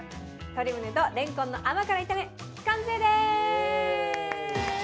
鶏むねとれんこんの甘辛炒め完成です！